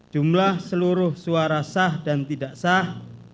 jumlah seluruh suara sah dan tidak sah